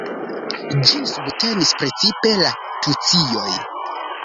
Ĝin subtenis precipe la tucioj.